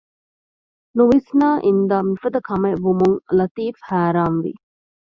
ނުވިސްނައި އިންދާ މިފަދަ ކަމެއްވުމުން ލަތީފް ހައިރާންވި